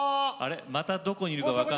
またどこにいるか分かんないですよ。